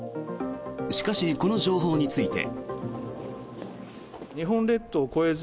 しかし、この情報について。